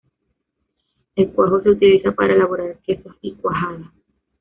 El cuajo se utiliza para elaborar quesos y cuajada.